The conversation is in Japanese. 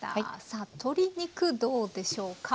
さあ鶏肉どうでしょうか？